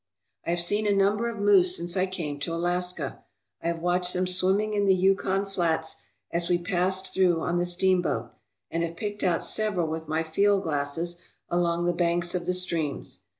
I have seen a number of moose since I came to Alaska. I have watched them swimming in the Yukon flats as we passed through on the steamboat, and have picked out several with myTield glasses along the banks of the streams.